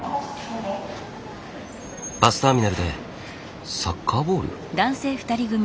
バスターミナルでサッカーボール？